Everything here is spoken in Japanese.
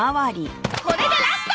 これでラスト！